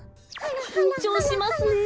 きんちょうしますねえ。